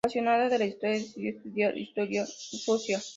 Apasionada de la historia decidió estudiar Historia Rusa.